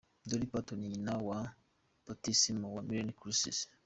Dolly Parton ni nyina wa batisimu wa Miley Cyrus.